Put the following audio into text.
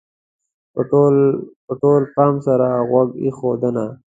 -په ټول پام سره غوږ ایښودنه: